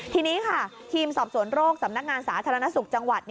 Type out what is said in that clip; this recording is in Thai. ทีนี้ค่ะทีมสอบสวนโรคสำนักงานสาธารณสุขจังหวัด